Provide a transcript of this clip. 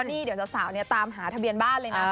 นี่เดี๋ยวสาวเนี่ยตามหาทะเบียนบ้านเลยนะ